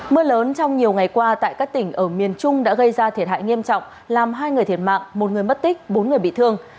mưa lớn trong nhiều ngày qua tại các tỉnh ở miền trung đã gây ra thiệt hại nghiêm trọng làm hai người thiệt mạng một người mất tích bốn người bị thương